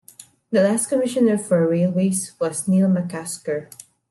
The last Commissioner for Railways was Neil McCusker.